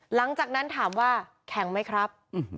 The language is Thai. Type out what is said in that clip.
หลังจากนั้นถามว่าแข็งไหมครับ